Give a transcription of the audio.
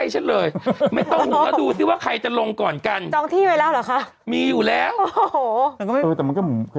จองที่ไหมแล้วเหรอคะ